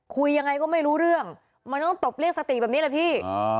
คุยยังไงก็ไม่รู้เรื่องมันต้องตบเรียกสติแบบนี้แหละพี่